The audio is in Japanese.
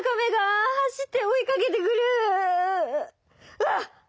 うわっ！